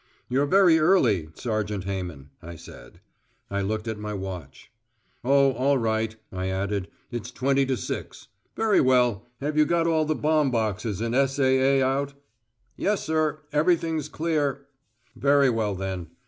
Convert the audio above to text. "You're very early, Sergeant Hayman," I said. I looked at my watch. "Oh, all right," I added, "it's twenty to six; very well. Have you got all the bomb boxes and S.A.A. out?" "Yes, sir. Everything's clear." "Very well, then.